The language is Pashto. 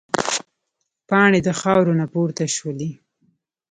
پاڼې د خاورو نه پورته شولې.